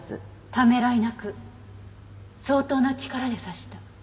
ためらいなく相当な力で刺した。